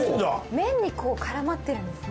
麺にこう絡まってるんですね。